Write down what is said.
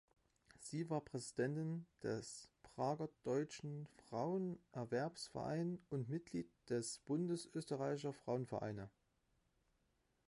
Sie war Präsidentin des Prager deutschen Frauen-Erwerbsverein und Mitglied des Bundes österreichischer Frauenvereine.